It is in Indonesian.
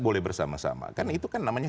boleh bersama sama kan itu kan namanya